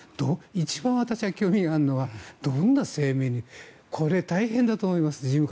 一番私が興味があるのはどんな声明にこれ、事務方は大変だと思います。